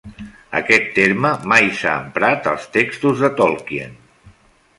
Aquest terme mai s'ha emprat als textos de Tolkien.